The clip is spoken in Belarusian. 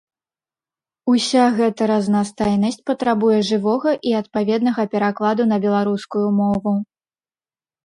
Уся гэта разнастайнасць патрабуе жывога і адпаведнага перакладу на беларускую мову.